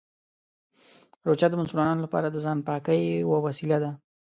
روژه د مسلمانانو لپاره د ځان پاکۍ یوه وسیله ده.